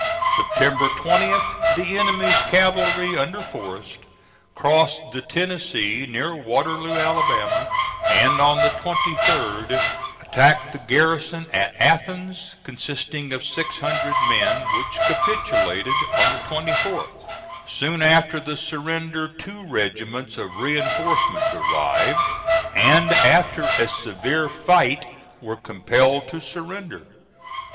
September 20th, the enemy's cavalry, under Forrest, crossed the Tennessee near Waterloo, Alabama, and on the 23d attacked the garrison at Athens, consisting of six hundred men, which capitulated on the 24th. Soon after the surrender two regiments of reinforcements arrived, and after a severe fight were compelled to surrender.